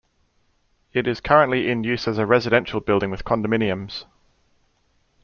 It is currently in use as a residential building with condominiums.